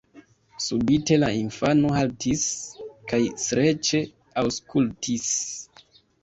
Subite la infano haltis kaj streĉe aŭskultis.